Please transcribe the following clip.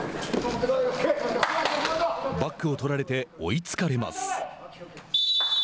バックを取られて追いつかれます。